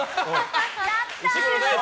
やったー！